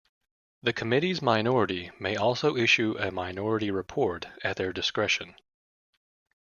The committee's minority may also issue a Minority Report at their discretion.